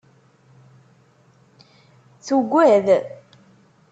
Tugad.